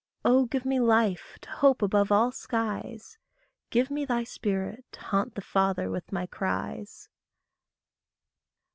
Oh, give me life to hope above all skies. Give me thy spirit to haunt the Father with my cries.